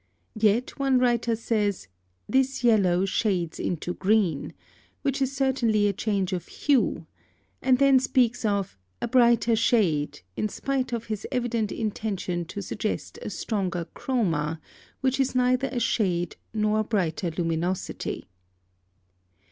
Yet one writer says, "This yellow shades into green," which is certainly a change of hue, and then speaks of "a brighter shade" in spite of his evident intention to suggest a stronger chroma, which is neither a shade nor brighter luminosity.